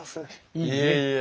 いえいえ。